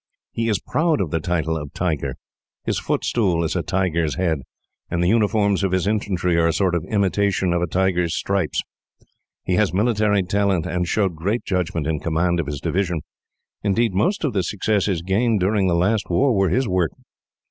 He is proud of the title of 'Tiger.' His footstool is a tiger's head, and the uniforms of his infantry are a sort of imitation of a tiger's stripes. He has military talent, and showed great judgment in command of his division indeed, most of the successes gained during the last war were his work.